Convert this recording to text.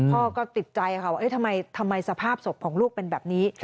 พ่อก็ติดใจค่ะว่าทำไมสภาพศพของลูกเป็นแบบนี้